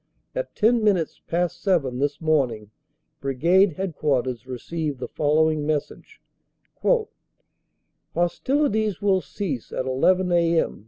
At ten minutes past seven this morning Brigade Headquarters received the following message: "Hostilities will cease at 1 1 a.m.